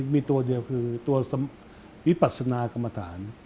มีตัวเดียวคือตัววิปัสนากรรมฐาน